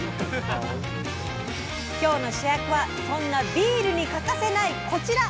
今日の主役はそんなビールに欠かせないこちら。